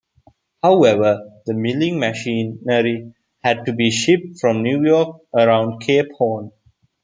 However, the milling machinery had to be shipped from New York around Cape Horn.